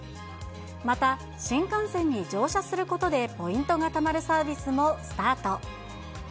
また、新幹線に乗車することで、ポイントがたまるサービスもスタート。